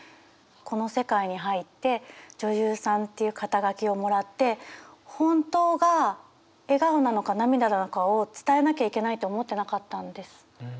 この世界に入って女優さんっていう肩書をもらって本当が笑顔なのか涙なのかを伝えなきゃいけないと思ってなかったんです。